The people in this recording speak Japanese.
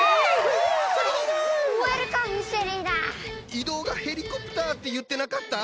移動がヘリコプターっていってなかった？